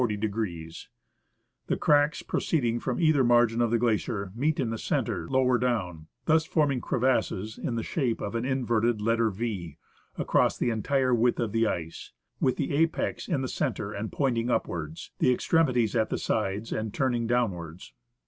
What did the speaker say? ^ The cracks proceeding from either margin of the glacier meet in the centre lower down, thus forming crevasses in the shape of an inverted letter V, across the entire width of the ice, with the apex in the centre and pointing upwards, the extremities at the sides and turning downwards.